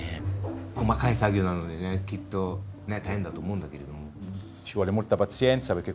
細かい作業なのでねきっとね大変だと思うんだけれども。